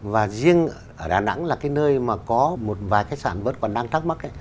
và riêng ở đà nẵng là nơi có một vài khách sạn vẫn còn đang thắc mắc